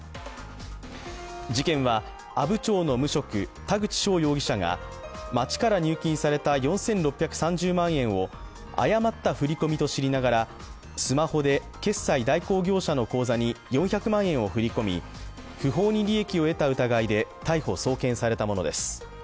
事件は、阿武町の無職、田口翔容疑者が町から入金された４６３０万円を誤った振り込みと知りながらスマホで決済代行業者の口座に４００万円を振り込み、不法に利益を得た疑いで逮捕・送検されたものです。